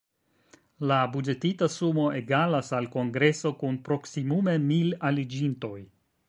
La buĝetita sumo egalas al kongreso kun proksimume mil aliĝintoj.